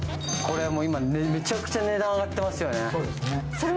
今、めちゃくちゃ値段上がってますよね。